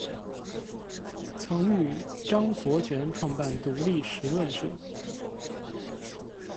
曾与张佛泉创办独立时论社。